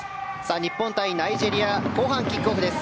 日本対ナイジェリア後半キックオフです。